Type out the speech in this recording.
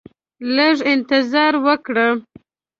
لږ انتظار وکړه